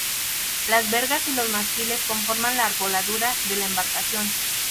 Las vergas y los mástiles conforman la arboladura de la embarcación.